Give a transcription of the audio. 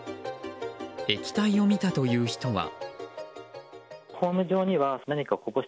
液体を見たという人は。